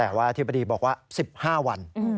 แต่ว่าอธิบดีบอกว่า๑๕วัน